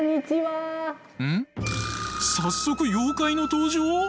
早速妖怪の登場！？